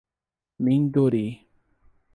Minduri